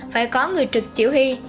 phải có người trực chỉ huy